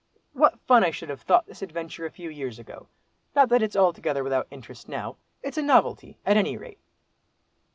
"What fun I should have thought this adventure a few years ago. Not that it's altogether without interest now. It's a novelty, at any rate."